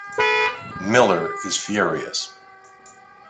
Miller is furious.